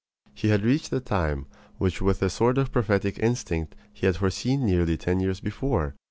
He had reached the time which with a sort of prophetic instinct he had foreseen nearly ten years before.